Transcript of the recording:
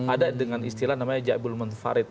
ada dengan istilah namanya jabul manfarid